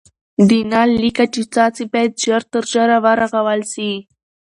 د نل لیکه چي څاڅي باید ژر تر ژره ورغول سي.